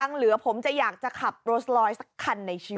เหลือผมจะอยากจะขับรถลอยสักคันในชีวิต